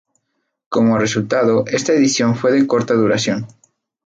Como resultado, esta edición fue de corta duración.